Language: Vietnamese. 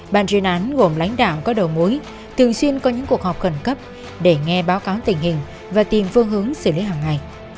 ban chuyên án gồm lãnh đạo có đầu mối thường xuyên có những cuộc họp khẩn cấp để nghe báo cáo tình hình và tìm phương hướng xử lý hàng ngày